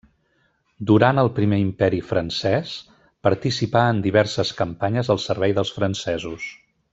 Durant el Primer Imperi Francès participà en diverses campanyes al servei dels francesos.